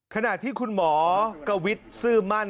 ขณะที่คุณหมอกวิทย์ซื่อมั่น